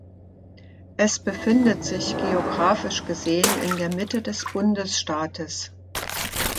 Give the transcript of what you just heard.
Es befindet sich geographisch gesehen in der Mitte des Bundesstaates.